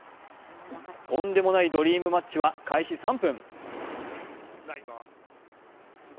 とんでもないドリームマッチは開始３分。